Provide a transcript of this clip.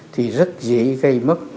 thì rất dễ gây mất